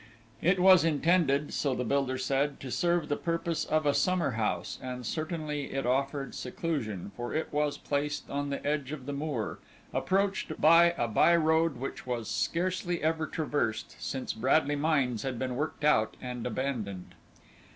It was intended, so the builder said, to serve the purpose of a summer house, and certainly it offered seclusion, for it was placed on the edge of the moor, approached by a by road which was scarcely ever traversed, since Bradley mines had been worked out and abandoned.